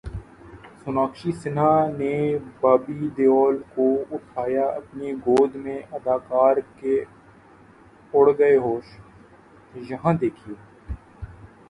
سوناکشی سنہا نے بابی دیول کو اٹھایا اپنی گود میں اداکار کے اڑ گئے ہوش، یہاں دیکھئے